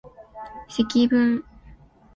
積分